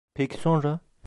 Peki sonra?